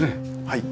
はい。